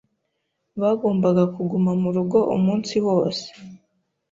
Bagombaga kuguma murugo umunsi wose.